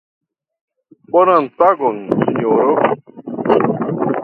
Bonan tagon sinjoro!